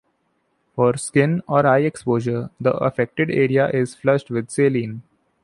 For skin or eye exposure, the affected area is flushed with saline.